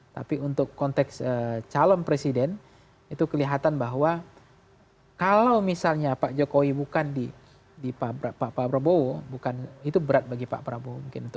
tapi untuk konteks calon presiden itu kelihatan bahwa kalau misalnya pak jokowi bukan di pak prabowo itu berat bagi pak prabowo mungkin